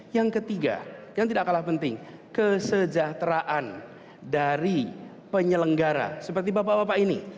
yang ketiga yang tidak kalah penting kesejahteraan dari penyelenggara seperti bapak bapak ini